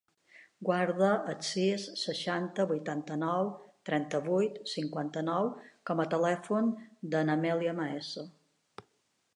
Guarda el sis, seixanta, vuitanta-nou, trenta-vuit, cinquanta-nou com a telèfon de l'Amèlia Maeso.